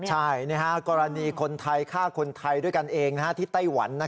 ใช่กรณีคนไทยฆ่าคนไทยด้วยกันเองที่ไต้หวัน